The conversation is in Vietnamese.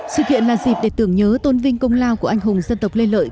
sự kiện là dịp để tưởng nhớ tôn vinh công lao của anh hùng dân tộc lê lợi